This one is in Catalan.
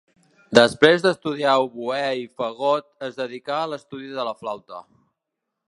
Després d'estudiar oboè i fagot es dedicà a l'estudi de la flauta.